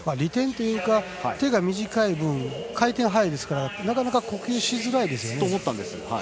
利点というか手が短い分回転が速いのでなかなか呼吸しづらいですよね。